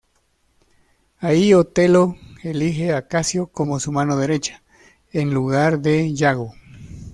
Allí Otelo elige a Casio como su mano derecha, en lugar de Yago.